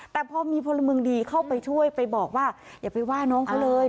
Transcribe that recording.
แต่พอมีพลเมืองดีเข้าไปช่วยไปบอกว่าอย่าไปว่าน้องเขาเลย